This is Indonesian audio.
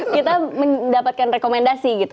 kita mendapatkan rekomendasi gitu